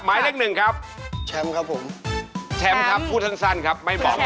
หมายเลขหนึ่งครับแชมป์ครับผมแชมป์ัยเลขทั้งสันครับ